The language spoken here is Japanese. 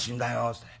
っつって